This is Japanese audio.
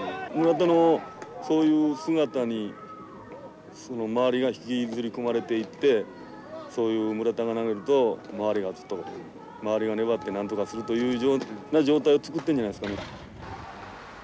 村田のそういう姿に周りが引きずり込まれていってそういう村田が投げると周りが周りが粘ってなんとかするという状態を作ってんじゃないですかね。